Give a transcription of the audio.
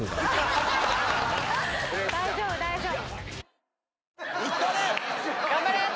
大丈夫大丈夫。